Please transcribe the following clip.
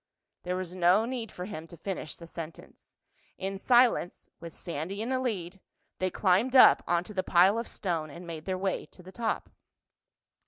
There was no need for him to finish the sentence. In silence, with Sandy in the lead, they climbed up onto the pile of stone and made their way to the top.